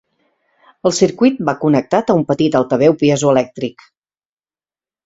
El circuit va connectat a un petit altaveu piezoelèctric.